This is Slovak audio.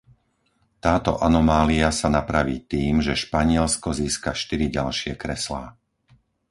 Táto anomália sa napraví tým, že Španielsko získa štyri ďalšie kreslá.